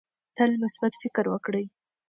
تل مثبت فکر وکړئ.